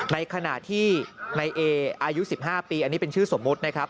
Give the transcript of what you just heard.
ในขณะที่ในเออายุ๑๕ปีอันนี้เป็นชื่อสมมุตินะครับ